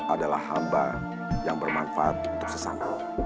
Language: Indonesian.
adalah hamba yang bermanfaat untuk sesama